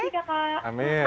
terima kasih kakak